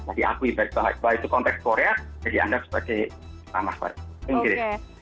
jadi aku ibarat banget kalau itu konteks korea dianggap sebagai ramah bahasa inggris